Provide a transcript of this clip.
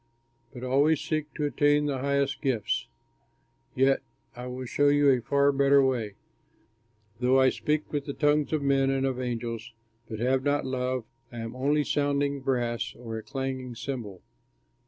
But always seek to attain the highest gifts. Yet I will show you a far better way. Though I speak with the tongues of men and of angels but have not love, I am only sounding brass or a clanging cymbal.